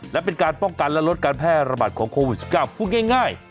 และเป็นการป้องกันและลดการแพร่ระบาดของโควิด๑๙พูดง่าย